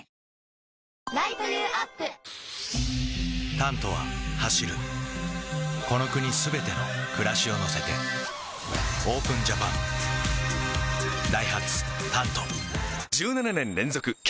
「タント」は走るこの国すべての暮らしを乗せてＯＰＥＮＪＡＰＡＮダイハツ「タント」１７年連続軽